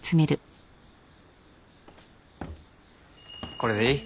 これでいい？